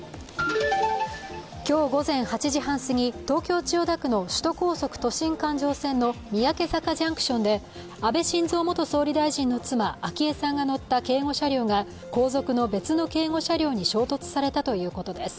今日、午前８時半すぎ、東京都心の首都高速道路三宅坂ジャンクションで安倍晋三元総理大臣の妻、昭恵さんが乗った警護車両が後続の別の警護車両に衝突されたということです。